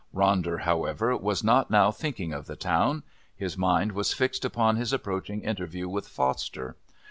Ronder, however, was not now thinking of the town. His mind was fixed upon his approaching interview with Foster.